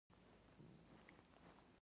لا هم روانه ده.